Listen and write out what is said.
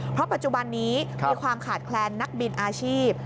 เพราะปัจจุบันนี้มีความขาดแคลนนักบินอาชีพ